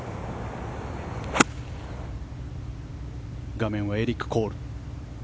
画面はエリック・コール。